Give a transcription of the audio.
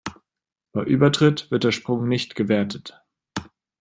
Bei Übertritt wird der Sprung nicht gewertet.